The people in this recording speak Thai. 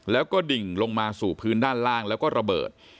แล้วก็ดิ่งลงมาสู่พื้นด้านล่างแล้วก็ระเบิด